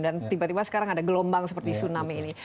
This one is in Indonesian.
dan tiba tiba sekarang ada gelombang seperti tsunami ini